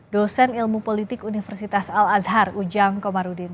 dosen ilmu politik universitas al azhar ujang komarudin